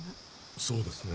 そうですね。